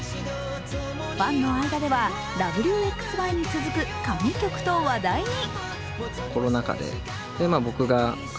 ファンの間では「Ｗ／Ｘ／Ｙ」に続く神曲と話題に。